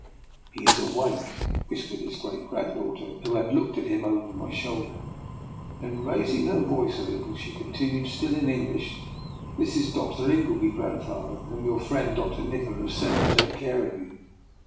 " He is awake," whispered his great granddaughter, who had looked at him over my shoulder. Then, raising her voice a little, she continued, still in English, " This is Dr. Ingleby, grandfather, whom your friend Dr. Nikola has sent to take care of you."